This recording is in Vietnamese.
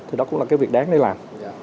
thì đó cũng là cái việc đáng để làm